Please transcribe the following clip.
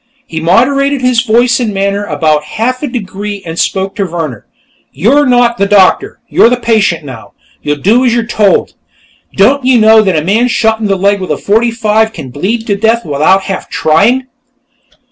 He moderated his voice and manner about half a degree and spoke to Vehrner. "You are not the doctor, you're the patient, now. You'll do as you're told. Don't you know that a man shot in the leg with a .45 can bleed to death without half trying?"